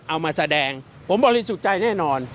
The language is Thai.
เอามาแสดงผมบริสุจัยแน่นอน